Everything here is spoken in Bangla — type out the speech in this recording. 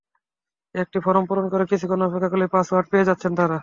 একটি ফরম পূরণ করে কিছুক্ষণ অপেক্ষা করলেই পাসওয়ার্ড পেয়ে যাচ্ছেন তাঁরা।